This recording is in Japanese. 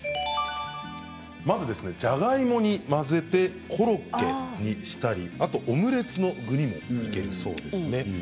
まず、じゃがいもにも混ぜてコロッケにしたりあとオムレツの具にもいけるそうですね。